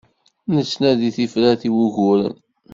Nettnadi tifrat i wuguren.